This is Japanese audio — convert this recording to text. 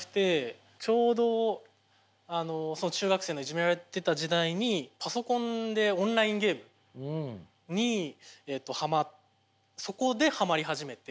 ちょうど中学生のいじめられてた時代にパソコンでオンラインゲームにそこではまり始めて。